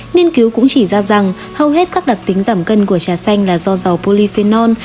nghiên cứu cũng chỉ ra rằng hầu hết các đặc tính giảm cân của trà xanh là do dầu polyphenol